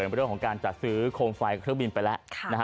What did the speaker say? เรื่องของการจัดซื้อโคมไฟเครื่องบินไปแล้ว